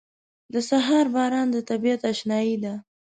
• د سهار باران د طبیعت اشنايي ده.